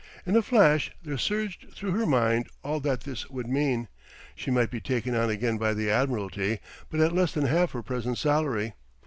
In a flash there surged through her mind all that this would mean. She might be taken on again by the Admiralty; but at less than half her present salary.